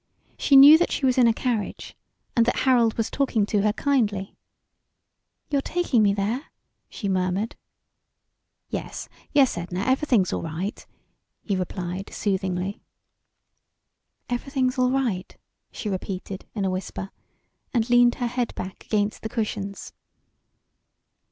She knew that she was in a carriage, and that Harold was talking to her kindly. "You're taking me there?" she murmured. "Yes yes, Edna, everything's all right," he replied soothingly. "Everything's all right," she repeated, in a whisper, and leaned her head back against the cushions.